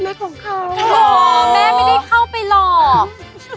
แม่ไม่ได้เข้าไปหรอก